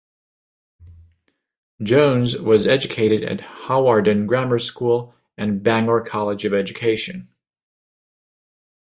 Jones was educated at Hawarden Grammar School and Bangor College of Education.